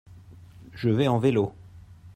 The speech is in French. Je vais en vélo.